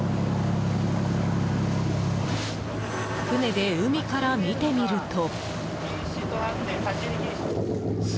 船で海から見てみると。